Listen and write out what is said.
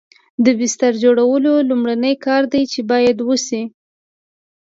د بستر جوړول لومړنی کار دی چې باید وشي